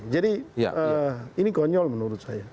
jadi ini konyol menurut saya